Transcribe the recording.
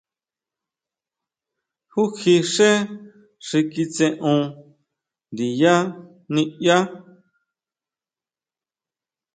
¿Júkji xé xi kitseon ndiyá niʼyaá?